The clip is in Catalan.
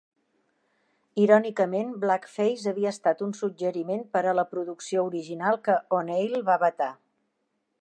Irònicament, Blackface havia estat un suggeriment per a la producció original que O'Neill va vetar.